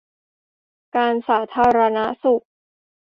การสาธารณสุข